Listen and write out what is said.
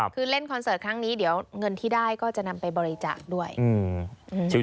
คือเล่นคอนเสิร์ตครั้งนี้เดี๋ยวเงินที่ได้ก็จะนำไปบริจาคด้วยอืม